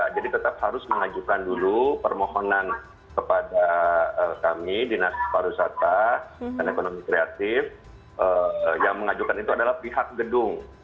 jadi tetap harus mengajukan dulu permohonan kepada kami dinas pariwisata dan ekonomi kreatif yang mengajukan itu adalah pihak gedung